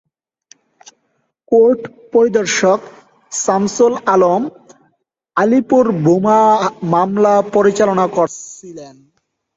Court পরিদর্শক শামসুল আলম আলিপুর বোমা মামলা পরিচালনা করছিলেন।